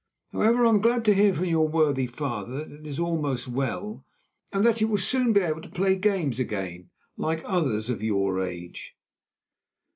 However, I am glad to hear from your worthy father that it is almost well and that you will soon be able to play games again, like others of your age."